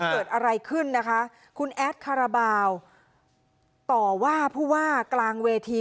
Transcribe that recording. เกิดอะไรขึ้นนะคะคุณแอดคาราบาลต่อว่าผู้ว่ากลางเวที